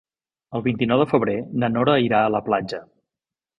El vint-i-nou de febrer na Nora irà a la platja.